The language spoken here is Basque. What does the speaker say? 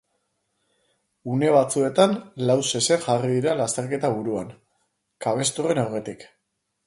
Une batzuetan lau zezen jarri dira lasterketa buruan, kabestruen aurretik.